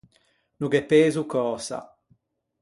No gh’é pezo cösa.